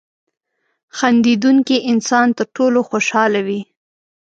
• خندېدونکی انسان تر ټولو خوشحاله وي.